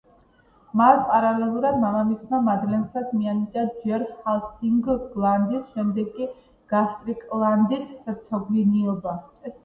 მათ პარალელურად მამამისმა მადლენსაც მიანიჭა ჯერ ჰალსინგლანდის, შემდეგ კი გასტრიკლანდის ჰერცოგინიობა.